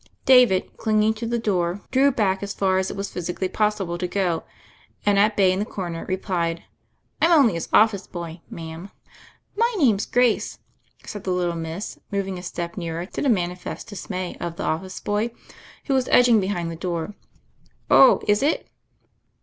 David, clinging to the door, drew back as 142 THE FAIRY OF THE SNOWS far as it was physically possible to go, and, at bay in the comer, replied: "I'm only his of fice boy, ma'am." "My name's Grace 1" said the little miss, moving a step nearer, to the manifest dismay of the office boy, who was edging behind the door. "Oh, is it?"